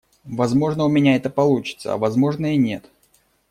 Возможно, у меня это получится, а возможно, и нет.